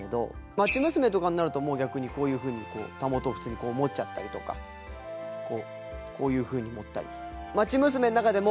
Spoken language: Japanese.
町娘とかになると逆にこういうふうにたもと普通に持っちゃったりとかこういうふうに持ったり。